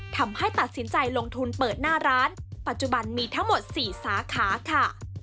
ทำให้ตัดสินใจลงทุนเปิดหน้าร้านปัจจุบันมีทั้งหมด๔สาขาค่ะ